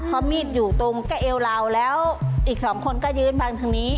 เพราะมีดอยู่ตรงก็เอวเราแล้วอีกสองคนก็ยืนฟังทางนี้